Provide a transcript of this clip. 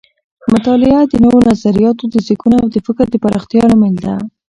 مطالعه د نوو نظریاتو د زیږون او د فکر د پراختیا لامل ده.